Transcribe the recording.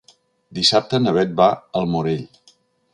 Dissabte na Beth va al Morell.